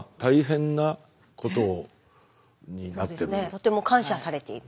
とても感謝されている。